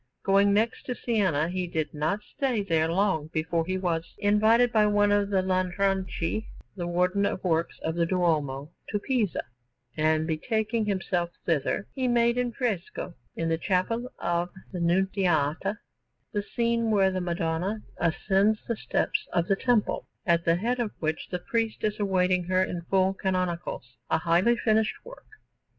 Going next to Siena, he did not stay there long before he was invited by one of the Lanfranchi, the Warden of Works of the Duomo, to Pisa; and betaking himself thither, he made in fresco, in the Chapel of the Nunziata, the scene when the Madonna ascends the steps of the Temple, at the head of which the priest is awaiting her in full canonicals a highly finished work.